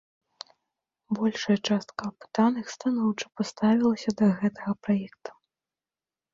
Большая частка апытаных станоўча паставілася да гэтага праекта.